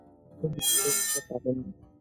সেদিন হয়তো আমাকে পাবেন না।